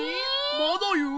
まだいう？